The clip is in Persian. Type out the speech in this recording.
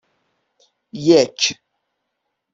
یک